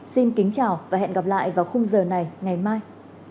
xin kính chào và hẹn gặp lại vào khung giờ này ngày mai